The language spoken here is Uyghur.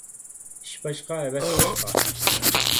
ئىش باشقا، ھەۋەس باشقا.